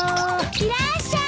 いらっしゃい。